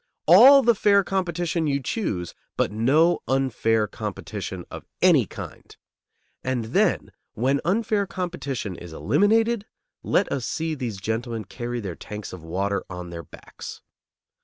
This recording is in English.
All the fair competition you choose, but no unfair competition of any kind. And then when unfair competition is eliminated, let us see these gentlemen carry their tanks of water on their backs.